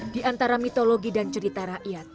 di antara mitologi dan cerita rakyat